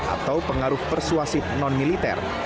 atau pengaruh persuasif non militer